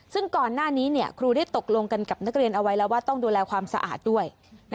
ซึ่งก่อนหน้านี้ครูได้ตกลงกันกับนักเรียนเอาไว้แล้วว่าต้องดูแลความสะอาดด้วย